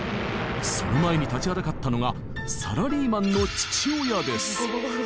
その前に立ちはだかったのがサラリーマンの父親です。